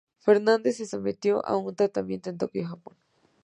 Fernández se sometió a un tratamiento en Tokio, Japón.